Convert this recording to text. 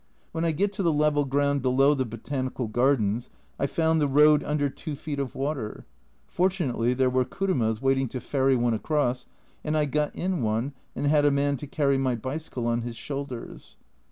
When I get to the level ground below the Botanical Gardens I found the road under 2 feet of water. Fortunately there were kurumas waiting to ferry one across, and I got in one, and had a man to carry my bicycle on his shoulders.